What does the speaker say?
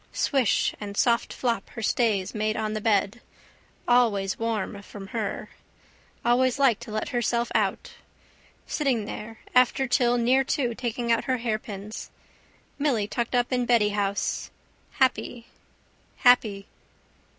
Swish and soft flop her stays made on the bed. Always warm from her. Always liked to let her self out. Sitting there after till near two taking out her hairpins. Milly tucked up in beddyhouse. Happy. Happy.